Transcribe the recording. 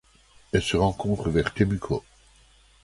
Elle se rencontre vers Temuco.